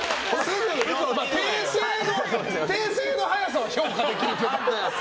訂正の早さは評価できるけど。